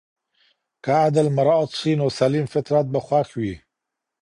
که عدل مراعت سي نو سلیم فطرت به خوښ وي.